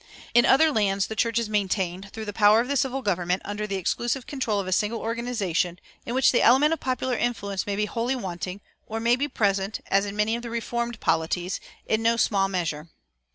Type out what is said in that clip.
In other lands the church is maintained, through the power of the civil government, under the exclusive control of a single organization, in which the element of popular influence may be wholly wanting, or may be present (as in many of the "Reformed" polities) in no small measure.